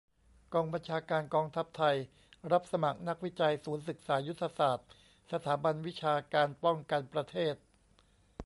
กองบัญชาการกองทัพไทย รับสมัคร นักวิจัย ศูนย์ศึกษายุทธศาสตร์ สถาบันวิชาการป้องกันประเทศ